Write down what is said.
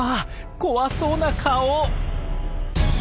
怖そうな顔。